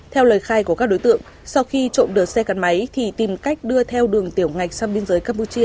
theo lời khai của các đối tượng sau khi trộm được xe gắn máy thì tìm cách đưa theo đường tiểu ngạch sang biên giới campuchia